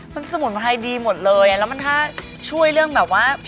มันสมุนไพรดีหมดเลย